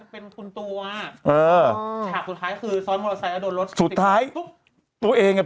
เป็นการกระตุ้นการไหลเวียนของเลือด